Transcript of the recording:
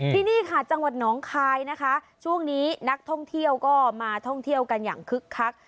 ที่นี่ค่ะจังหวัดน้องคายนะคะช่วงนี้นักท่องเที่ยวก็มาท่องเที่ยวกันอย่างคึกคัก